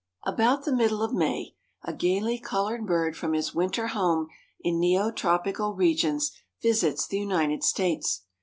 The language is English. About the middle of May a gaily colored bird from his winter home in neo tropical regions visits the United States.